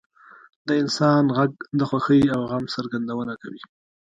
• د انسان ږغ د خوښۍ او غم څرګندونه کوي.